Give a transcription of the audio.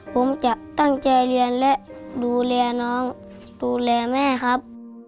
ผมจะตั้งใจเรียนและดูแลน้องดูแลแม่ครับ